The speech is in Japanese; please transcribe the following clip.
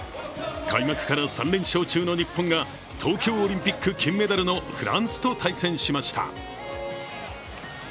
開幕から３連勝中の日本が東京オリンピック金メダルのフランスと対戦しました。